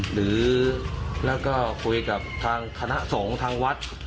หรือแล้วก็คุยกับทางคณะสงฆ์ทางวัด